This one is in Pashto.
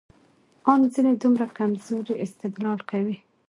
ان ځينې دومره کمزورى استدلال کوي،